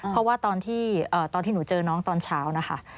เพราะว่าตอนที่หนูเจอน้องตอนเช้านะคะ